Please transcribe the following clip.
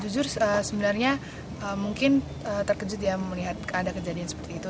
jujur sebenarnya mungkin terkejut ya melihat keadaan kejadian seperti itu